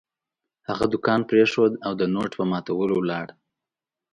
هغه دوکان پرېښود او د نوټ په ماتولو ولاړ.